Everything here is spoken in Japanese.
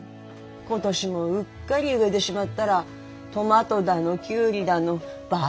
今年もうっかり植えでしまっだらトマトだのキュウリだのバガみたいに育って。